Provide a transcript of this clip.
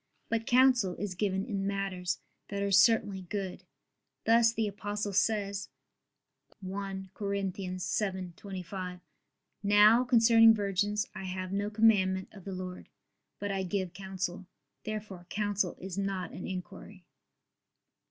But counsel is given in matters that are certainly good; thus the Apostle says (1 Cor. 7:25): "Now concerning virgins I have no commandment of the Lord: but I give counsel." Therefore counsel is not an inquiry.